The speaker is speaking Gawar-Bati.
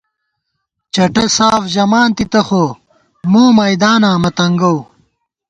چٹہ ساف ژمان تِتہ خو مو میداناں مہ ننگَؤ